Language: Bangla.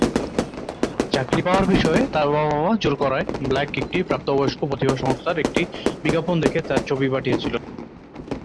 চাকরি পাওয়ার বিষয়ে তার বাবা-মা জোর করায়, ব্ল্যাক একটি প্রাপ্তবয়স্ক প্রতিভা সংস্থার একটি বিজ্ঞাপন দেখে তার ছবি পাঠিয়েছিলেন।